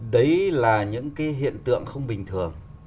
đấy là những hiện tượng không bình thường